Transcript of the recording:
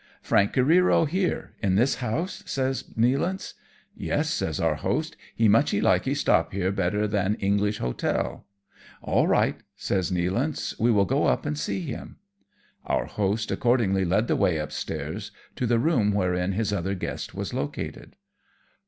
" Frank Careero here, in this house ?" says Nea lance. "Yes,"' says our host, " he muchee likee stop here better than English hotel." "All right/' says Nealance, " we will go up and see him." Our host accordingly led the way upstairs to the room wherein his other guest was located.